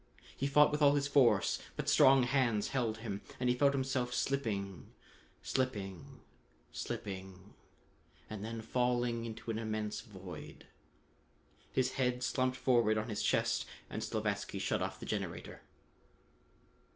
He fought with all his force, but strong hands held him, and he felt himself slipping slipping slipping and then falling into an immense void. His head slumped forward on his chest and Slavatsky shut off the generator.